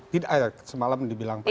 tidak semalam dibilang pak